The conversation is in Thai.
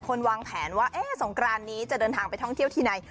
วางแผนว่าสงกรานนี้จะเดินทางไปท่องเที่ยวที่ไหน